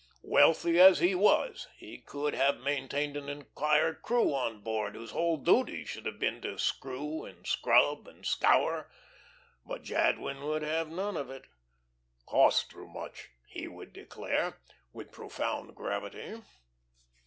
Wealthy as he was, he could have maintained an entire crew on board whose whole duty should have been to screw, and scrub, and scour. But Jadwin would have none of it. "Costs too much," he would declare, with profound gravity.